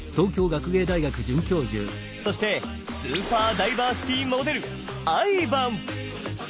そしてスーパー・ダイバーシティモデルＩＶＡＮ！